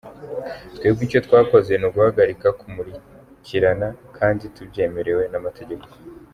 Twebwe icyo twakoze ni uguhagarika kumukurikirana kandi tubyemerewe n’amategeko”.